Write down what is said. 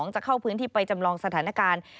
จะเข้าพื้นที่ไปจำลองสถานการณ์